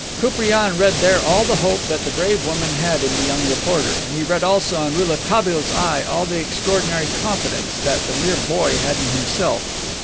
Koupriane read there all the hope that the brave woman had in the young reporter, and he read also in Rouletabille's eye all the extraordinary confidence that the mere boy had in himself.